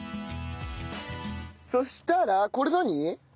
そしたらこれ何？